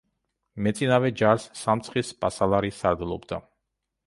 მეწინავე ჯარს „სამცხის სპასალარი“ სარდლობდა.